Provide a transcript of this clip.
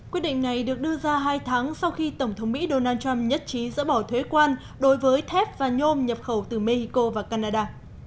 quyết định này được đưa ra hai tháng sau khi tổng thống mỹ donald trump nhất trí dỡ bỏ thuế quan đối với thép và nhôm nhập khẩu từ mexico và canada